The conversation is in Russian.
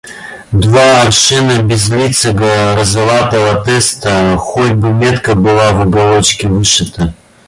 Два аршина безлицего розоватого теста: хоть бы метка была в уголочке вышита.